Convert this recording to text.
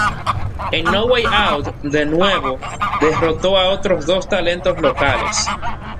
En No Way Out de nuevo derrotó a otros dos talentos locales.